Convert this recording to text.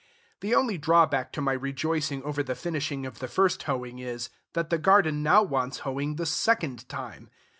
The only drawback to my rejoicing over the finishing of the first hoeing is, that the garden now wants hoeing the second time.